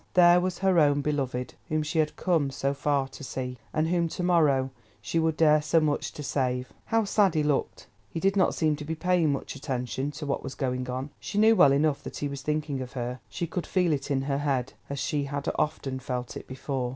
There was her own beloved, whom she had come so far to see, and whom to morrow she would dare so much to save. How sad he looked—he did not seem to be paying much attention to what was going on. She knew well enough that he was thinking of her; she could feel it in her head as she had often felt it before.